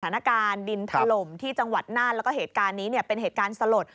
ณดินถล่มที่จังหวัดน่านแล้วก็เหตุการณ์นี้เนี่ยเป็นเหตุการณ์สลด